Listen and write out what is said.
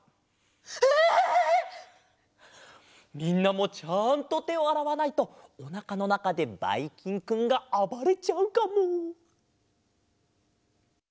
みんなもちゃんとてをあらわないとおなかのなかでばいきんくんがあばれちゃうかも！